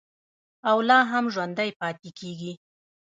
او لا هم ژوندی پاتې کیږي.